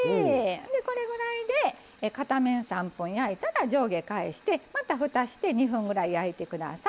これぐらいで片面３分焼いたら上下返してまた、ふたをして２分ぐらい焼いてください。